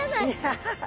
ウハハハ。